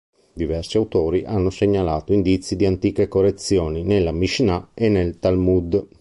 Diversi autori hanno segnalato indizi di antiche correzioni nella Mishnah e nel Talmud.